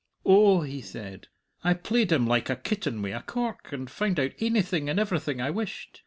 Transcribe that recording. "Oh," he said, "I played him like a kitten wi' a cork, and found out ainything and everything I wished.